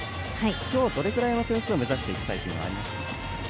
今日はどれくらいの点数を目指していきたいというのがありますか？